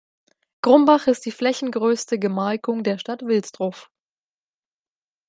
Grumbach ist die flächengrößte Gemarkung der Stadt Wilsdruff.